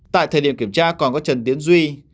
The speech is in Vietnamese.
tại thời điểm kiểm tra còn có trần tiến duy